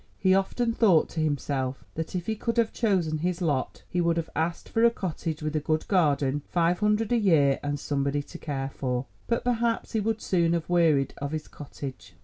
He often thought to himself that if he could have chosen his lot, he would have asked for a cottage with a good garden, five hundred a year, and somebody to care for. But perhaps he would soon have wearied of his cottage.